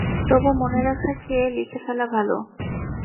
তবু মনে রাখার চেয়ে লিখে ফেলা ভালো।